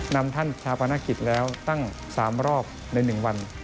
นำท่านชาปนกิจแล้วตั้ง๓รอบใน๑วัน